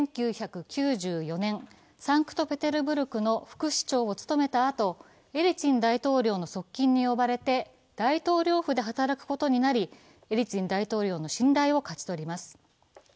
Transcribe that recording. １９９４年、サンクトペテルブルクの副市長を務めたあとエリツィン大統領の側近に呼ばれて大統領府で働くことになりエリツィン大統領の信頼を勝ち取ります。